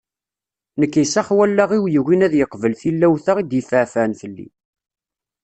Nekk isax wallaɣ-iw yugin ad yeqbel tilawt-a i d-yefɛefɛen fell-i.